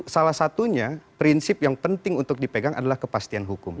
salah satunya prinsip yang penting untuk dipegang adalah kepastian hukum